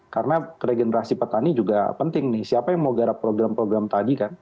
karena regenerasi petani juga penting nih siapa yang mau garap program program tadi kan